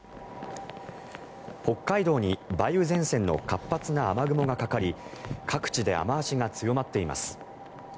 北海道に梅雨前線の活発な雨雲がかかり各地で雨脚が強まっています。